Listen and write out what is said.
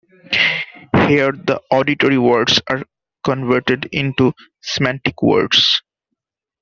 Here the auditory words are converted into semantic words.